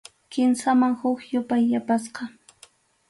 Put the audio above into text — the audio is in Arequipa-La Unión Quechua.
Kimsaman huk yupay yapasqa.